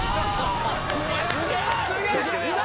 すげえ！